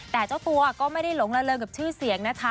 แต่เจ้าตัวก็ไม่ได้หลงละเริงกับชื่อเสียงนะคะ